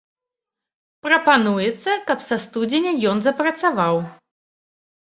Прапануецца, каб са студзеня ён запрацаваў.